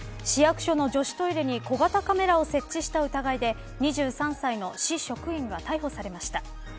市役所の女子トイレに小型カメラを設置した疑いで２３歳の市職員が逮捕されました。